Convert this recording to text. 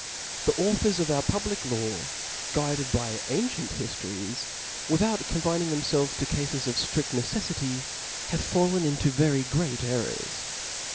^ The authors pf our public law, guided l>y an cieat hiiM^es, without confining themfelves 19 cafes of ftrid neceflity^ have fallen into very great errors.